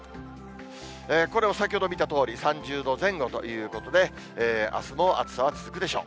これは先ほど見たとおり、３０度前後ということで、あすも暑さは続くでしょう。